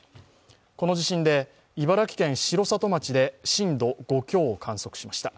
この地震で茨城県城里町で震度５強を観測しました。